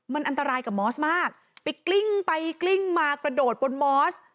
มันอันตรายกับมอสมากไปกลิ้งไปกลิ้งมากระโดดบนมอส